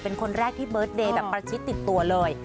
เป็นคนแรกที่เบิร์ตเดย์แบบประชิดติดตัวเลย